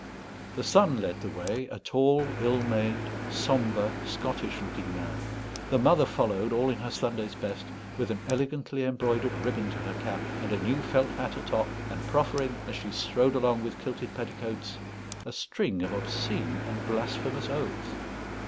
The son led the way, a tall, ill made, sombre, Scottish looking man; the mother followed, all in her Sunday's best, with an elegantly embroidered ribbon to her cap, and a new felt hat atop, and proffering, as she strode along with kilted petticoats, a string of obscene and blasphemous oaths.